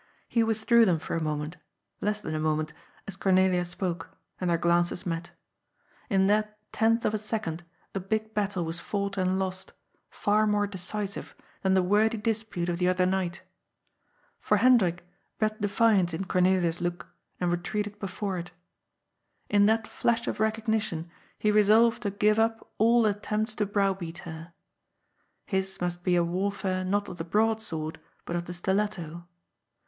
He with drew them for a moment — less than a moment — as Cornelia spoke ; and their glances met. In that tenth of a second a big battle was fought and lost, far more decisive than the wordy dispute of the other night. For Hendrik read de fiance in Cornelia's look, and retreated before it. In that flash of recognition he resolved to give up all attempts to browbeat her. His must be a warfare not of the broad sword, but of the stiletto.